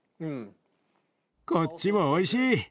こっちもおいしい。